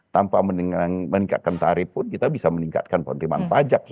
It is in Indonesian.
tanpa meningkatkan tarif pun kita bisa meningkatkan penerimaan pajak